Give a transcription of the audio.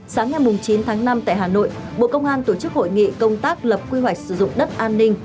sáng ngày chín tháng năm tại hà nội bộ công an tổ chức hội nghị công tác lập quy hoạch sử dụng đất an ninh